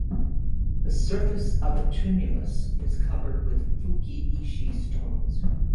The surface of the tumulus is covered with "fukiishi" stones.